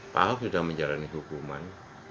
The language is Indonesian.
pak ahok sudah menjalani hukuman